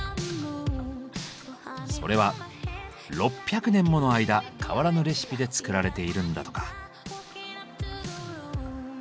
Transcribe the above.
それは６００年もの間変わらぬレシピで作られているんだとか。